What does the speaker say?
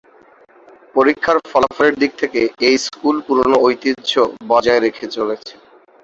পরীক্ষার ফলাফলের দিক থেকে এ স্কুল পুরানো ঐতিহ্য বজায় রেখে চলেছে।